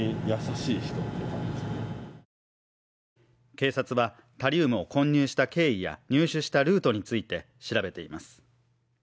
警察はタリウムを混入した経緯や入手したルートについて調べ手います。